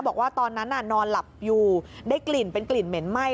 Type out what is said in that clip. บอกว่าตอนนั้นน่ะนอนหลับอยู่ได้กลิ่นเป็นกลิ่นเหม็นไหม้